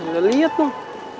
gak liat dong